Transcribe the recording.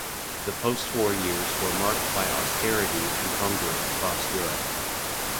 The postwar years were marked by austerity and hunger across Europe.